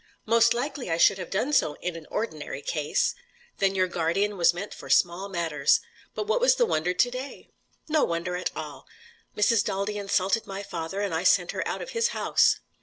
"Most likely I should have done so, in an ordinary case." "Then your guardian was meant for small matters! But what was the wonder to day?" "No wonder at all. Mrs. Daldy insulted my father, and I sent her out of his house."